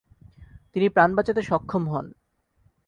তিনি প্রাণ বাঁচাতে সক্ষম হন।